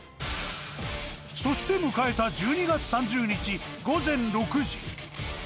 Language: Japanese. そして迎えた１２月３０日午前６時。